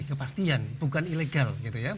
kepastian bukan ilegal